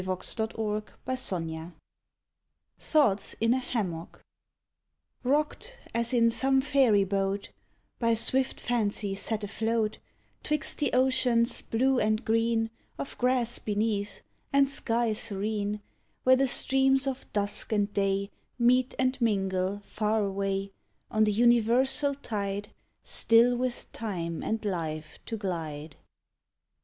[Illustration: ·THOUGHTS·IN·A·HAMMOCK] ROCKED as in some fairy boat, By swift fancy set afloat, 'Twixt the oceans, blue and green, Of grass beneath, and sky serene, Where the streams of dusk and day Meet and mingle, far away, On the universal tide, Still with time and life to glide.